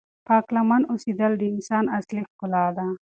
پاک لمن اوسېدل د انسان اصلی ښکلا ده.